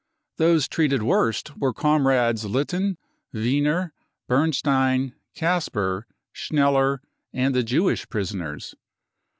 Those treated worst were comrades Litten, Wiener, Bernstein, Kasper, Schneller and the Jewish prisoners.